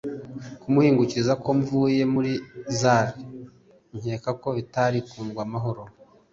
kumuhingukiriza ko mvuye muri Zaïre nkeka ko bitari kungwa amahoro